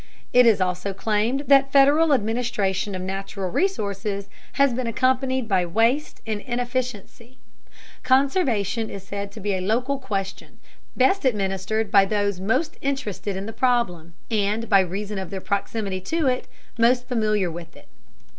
It is also claimed that Federal administration of natural resources has been accompanied by waste and inefficiency. Conservation is said to be a local question, best administered by those most interested in the problem, and, by reason of their proximity to it, most familiar with it.